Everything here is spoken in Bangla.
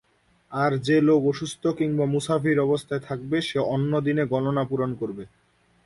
আর যে লোক অসুস্থ কিংবা মুসাফির অবস্থায় থাকবে সে অন্য দিনে গণনা পূরণ করবে।